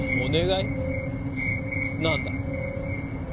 なんだ？